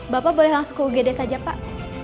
bapak boleh langsung ke ugd saja pak